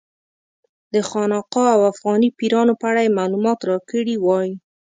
د خانقا او افغاني پیرانو په اړه یې معلومات راکړي وای.